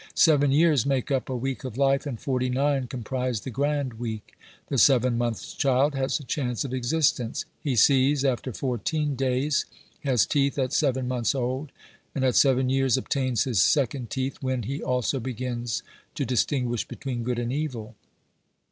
Seven years make up a week of life, and forty nine com prise the grand week. The seven month child has a chance of existence ; he sees after fourteen days ; has teeth at seven months old, and at seven years obtains his second teeth, when he also begins to distinguish between good and evil.